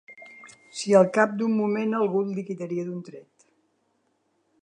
Si al cap d'un moment algú et liquidaria d'un tret